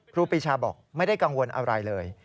ครูปีชาบอกไม่ได้กังวลอะไรเลย